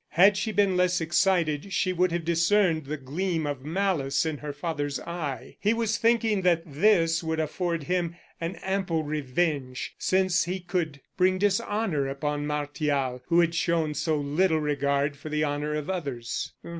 Had she been less excited she would have discerned the gleam of malice in her father's eye. He was thinking that this would afford him an ample revenge, since he could bring dishonor upon Martial, who had shown so little regard for the honor of others.